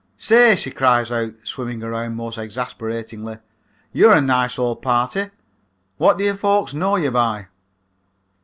"'Say,' she cries out, swimming around most exasperatingly, 'you're a nice old party. What do your folks know you by?'